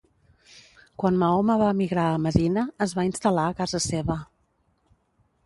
Quan Mahoma va emigrar a Medina es va instal·lar a casa seva.